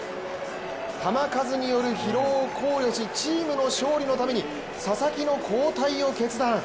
球数による疲労を考慮し、チームのために佐々木の交代を決断。